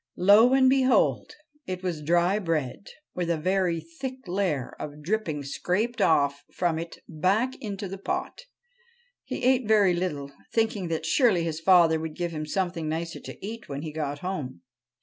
Lo and behold, it was dry bread, with a very thick layer of dripping scraped off from it back into the pot. He ate very little, thinking that surely his father would give him something nicer to eat when he got home.